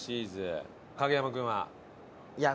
影山君は？